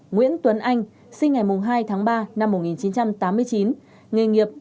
một mươi hai nguyễn tuấn anh sinh ngày hai tháng ba năm một nghìn chín trăm tám mươi chín nghề nghiệp